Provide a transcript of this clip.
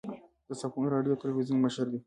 د سباوون راډیو تلویزون مشر دی.